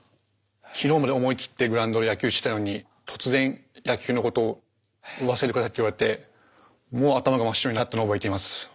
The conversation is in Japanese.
昨日まで思い切ってグラウンドで野球してたのに突然「野球のことを忘れて下さい」って言われてもう頭が真っ白になったのを覚えています。